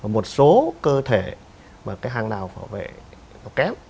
một số cơ thể mà cái hàng nào bảo vệ nó kém